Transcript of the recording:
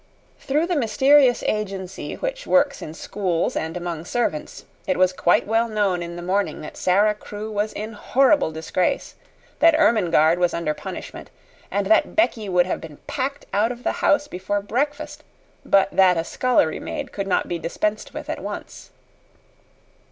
Through the mysterious agency which works in schools and among servants, it was quite well known in the morning that Sara Crewe was in horrible disgrace, that Ermengarde was under punishment, and that Becky would have been packed out of the house before breakfast, but that a scullery maid could not be dispensed with at once.